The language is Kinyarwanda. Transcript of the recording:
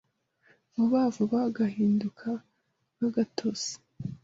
vuba vuba gahinduka nk'agatose